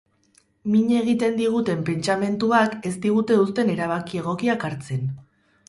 Min egiten diguten pentsamentuak ez digute uzten erabaki egokiak hartzen.